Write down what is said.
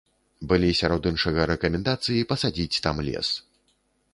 Былі сярод іншага рэкамендацыі пасадзіць там лес.